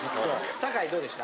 坂井どうでした？